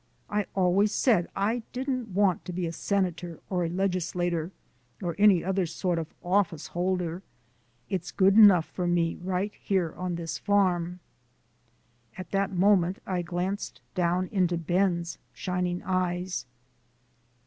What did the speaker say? I always said I didn't want to be a senator or a legislator, or any other sort of office holder. It's good enough for me right here on this farm." At that moment I glanced down into Ben's shining eyes.